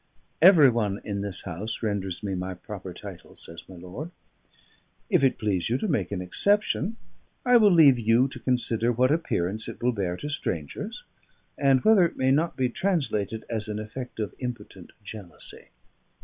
"Every one in this house renders me my proper title," says my lord. "If it please you to make an exception, I will leave you to consider what appearance it will bear to strangers, and whether it may not be translated as an effect of impotent jealousy."